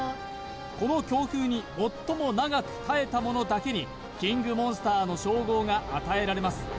この強風に最も長く耐えたものだけにＫＩＮＧモンスターの称号が与えられます